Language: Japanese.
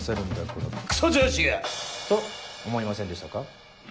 このクソ上司が！」と思いませんでしたか？